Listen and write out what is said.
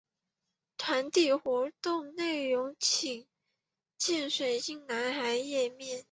团体活动内容请见水晶男孩页面。